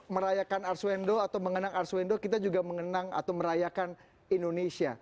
merayakan arswendo atau mengenang arswendo kita juga mengenang atau merayakan indonesia